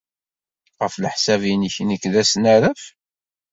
Ɣef leḥsab-nnek, nekk d asnaraf?